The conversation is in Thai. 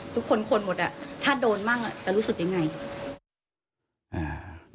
ทุกคนคนหมดอ่ะถ้าโดนมั่งจะรู้สึกยังไง